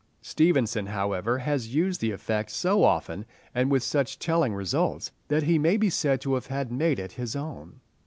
Stevenson, however, has used the effect so often, and with such telling results, that he may be said to have made it his own.